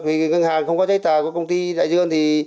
vì ngân hàng không có trách tờ của công ty đại dương thì